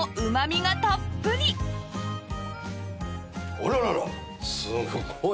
さらにあらららすごい。